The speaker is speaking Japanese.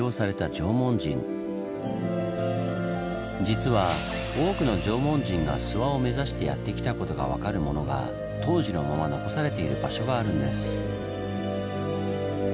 実は多くの縄文人が諏訪を目指してやって来たことが分かるものが当時のまま残されている場所があるんです。